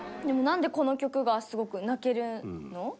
でも、なんで、この曲がすごく泣けるの？